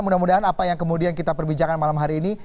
mudah mudahan apa yang kemudian kita perbincangkan malam hari ini